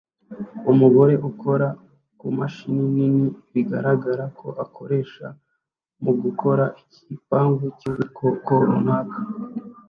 Umugore ukora kumashini nini bigaragara ko akoresha mugukora igipangu cyubwoko runaka